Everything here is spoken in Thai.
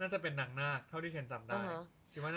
น่าจะเป็นนังหน้าเท่าที่เคนจำได้